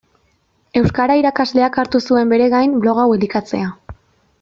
Euskara irakasleak hartu zuen bere gain blog hau elikatzea.